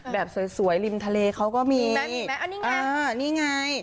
แบบสวยริมทะเลเขาก็มีนี่ไงเอานี่ไงเออนี่ไง